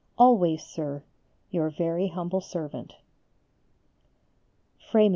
Always, Sir, your very humble servant, FRÉMYOT.